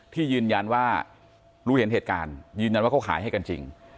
ที่ยืนยันว่ารู้เห็นเหตุการณ์ยืนยันว่าเขาขายให้กันจริง